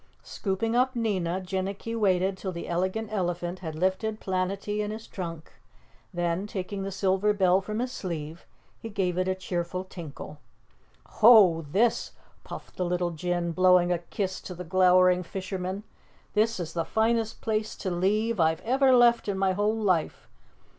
Scooping up Nina, Jinnicky waited till the Elegant Elephant had lifted Planetty in his trunk, then, taking the silver bell from his sleeve, he gave it a cheerful tinkle. "Ho, this!" puffed the little Jinn, blowing a kiss to the glowering fisherman "this is the finest place to leave I've ever left in my whole life.